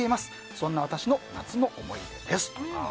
そんな私の夏の思い出です。